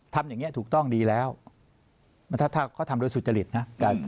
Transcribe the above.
ทำแบบนี้ถูกต้องดีแล้วก็ทำโดยสุจริตนะ